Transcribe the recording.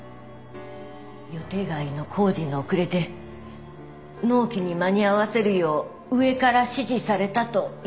予定外の工事の遅れで納期に間に合わせるよう上から指示されたと言っておりました。